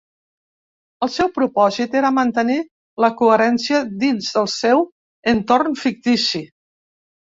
El seu propòsit era mantenir la coherència dins del seu entorn fictici.